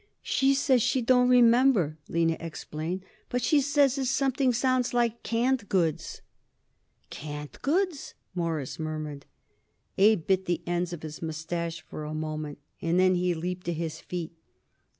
"She say she don't remember," Lina explained, "but she say is something sounds like 'canned goods'." "Canned goods?" Morris murmured. Abe bit the ends of his mustache for a moment, and then he leaped to his feet.